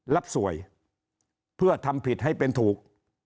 รับสวยเพื่อทำผิดให้เป็นถูก